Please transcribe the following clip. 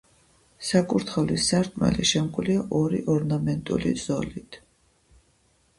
საკურთხევლის სარკმელი შემკულია ორი ორნამენტული ზოლით.